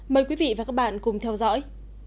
mời quý vị và các bạn cùng theo dõi